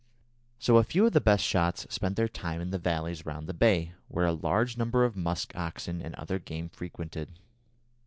So a few of the best shots spent their time in the valleys round the bay, where a large number of musk oxen and other game frequented.